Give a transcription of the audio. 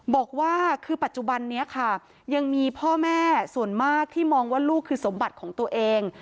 บอกว่าคือปัจจุบันนี้ค่ะยังมีพ่อแม่ส่วนมากที่มองว่าลูกคือสมบัติของตัวเอง